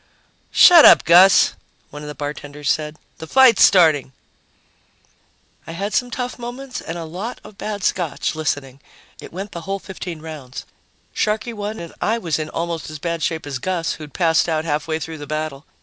"Shut up, Gus," one of the bartenders said. "The fight's starting." I had some tough moments and a lot of bad Scotch, listening. It went the whole 15 rounds, Sharkey won, and I was in almost as bad shape as Gus, who'd passed out halfway through the battle.